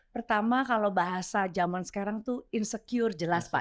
pertama kalau bahasa zaman sekarang itu insecure jelas pak